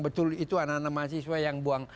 betul itu anak anak mahasiswa yang buang